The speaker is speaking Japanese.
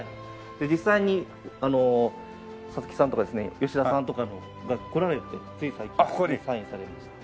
実際に五月さんとかですね吉田さんとかが来られてつい最近サインされました。